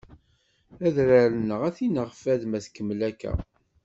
Adrar-nneɣ ad t-ineɣ fad ma tkemmel akka